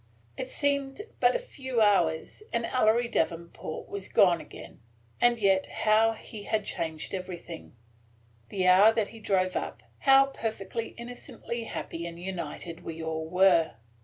It seemed but a few hours, and Ellery Davenport was gone again; and yet how he had changed everything! The hour that he drove up, how perfectly innocently happy and united we all were!